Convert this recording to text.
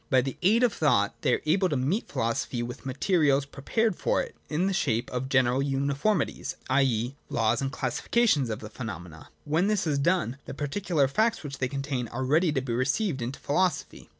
By the aid of thought, they are able to meet philosophy with materials prepared for it, in the shape of general uniformities, i. e. laws, and classi 2 2 INTR OD UCTION. [i 3 i 3 fications of the phenomena. When this is done, the particular facts which they contain are ready to be received into philosophy.